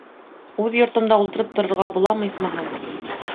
Үҙ йортомда ултырып торорға буламы, исмаһам?